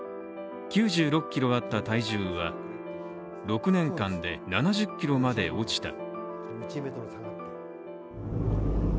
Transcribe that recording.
９６ｋｇあった体重は６年間で７０ｋｇまで落ちた。